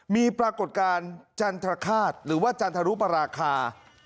มีปรากฏการณ์จันทรคาตหรือว่าจันทรุปราคา